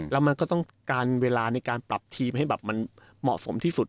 แล้วมันก็ต้องการเวลาในการปรับทีมให้แบบมันเหมาะสมที่สุด